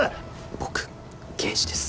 僕刑事です。